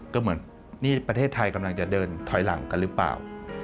ก็เหมือนนี่ประเทศไทยกำลังจะเดินถอยหลังกันหรือเปล่า